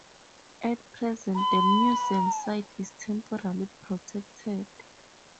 At present, the museum site is temporarily protected.